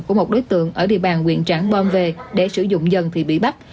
của một đối tượng ở địa bàn nguyện trảng bom về để sử dụng dần thì bị bắt